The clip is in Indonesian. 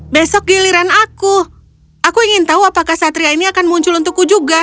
besok giliran aku aku ingin tahu apakah satria ini akan muncul untukku juga